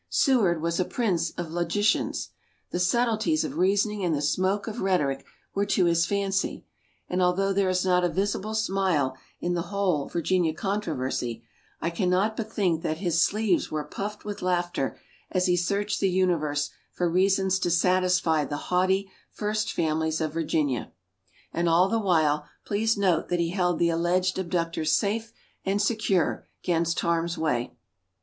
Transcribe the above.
Seward was a prince of logicians: the subtleties of reasoning and the smoke of rhetoric were to his fancy, and although there is not a visible smile in the whole "Virginia Controversy," I can not but think that his sleeves were puffed with laughter as he searched the universe for reasons to satisfy the haughty First Families of Virginia. And all the while, please note that he held the alleged abductors safe and secure 'gainst harm's way.